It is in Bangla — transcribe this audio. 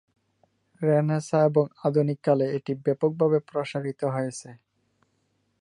রেনেসাঁ এবং আধুনিককালে এটি ব্যাপকভাবে প্রসারিত হয়েছে।